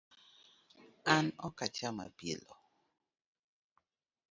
An ok acham apilo